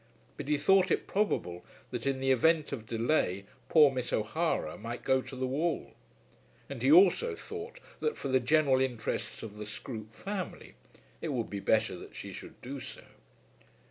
But he thought it probable that in the event of delay poor Miss O'Hara might go to the wall; and he also thought that for the general interests of the Scroope family it would be better that she should do so.